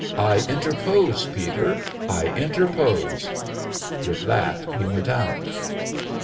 I interpose, Peter I interpose !" With that he went out.